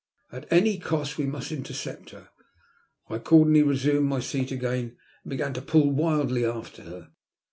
At any cost we mast intercept her. I accordingly resumed my seat again and began to pull wildly after her.